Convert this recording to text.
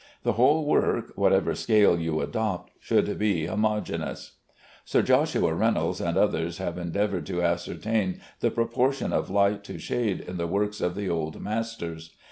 The whole work (whatever scale you adopt) should be homogeneous. Sir. J. Reynolds and others have endeavored to ascertain the proportion of light to shade in the works of the old masters.